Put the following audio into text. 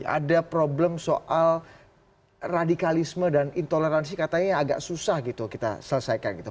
ada problem soal radikalisme dan intoleransi katanya agak susah gitu kita selesaikan gitu